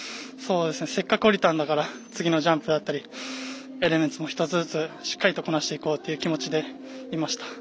せっかく降りたんだから次のジャンプだったりエレメンツも１つずつしっかりとこなしていこうという気持ちでいました。